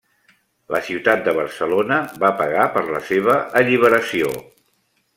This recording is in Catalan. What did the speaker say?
La ciutat de Barcelona va pagar per la seva alliberació.